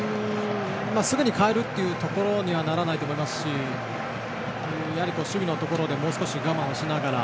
すぐに変えるというところにはならないと思いますしやはり守備のところでもう少し我慢しながら。